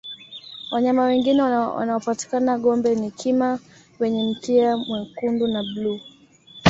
wanyama wengine wanaopatikana gombe ni kima wenye mkia mwekundu na bluu